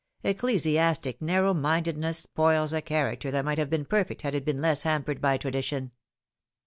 Ecclesi astic narrow mindedness spoils a character that might have been perfect had it been less hampered by tradition.